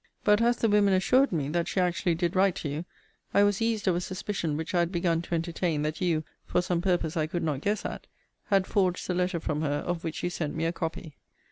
But as the women assured me, that she actually did write to you, I was eased of a suspicion which I had begun to entertain, that you (for some purpose I could not guess at) had forged the letter from her of which you sent me a copy.